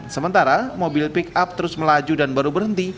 sementara mobil pickup terus melaju dan baru berhenti